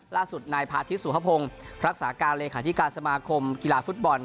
ล่าสุดนายพาทิตสุภพงศ์รักษาการเลขาธิการสมาคมกีฬาฟุตบอล